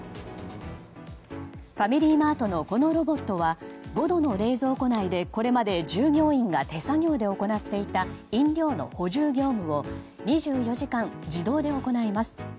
ファミリーマートのこのロボットは５度の冷蔵庫内でこれまで従業員が手作業で行っていた飲料の補充業務を２４時間、自動で行います。